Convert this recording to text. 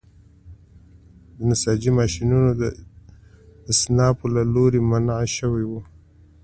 د نساجۍ ماشینونه د اصنافو له لوري منع شوي وو.